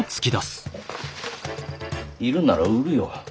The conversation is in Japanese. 要るんなら売るよ。